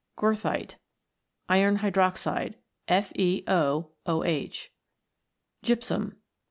Gb'thite. Iron hydroxide, FeO(OH). Gypsum.